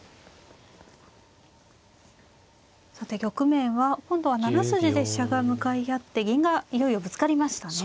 さて局面は今度は７筋で飛車が向かい合って銀がいよいよぶつかりましたね。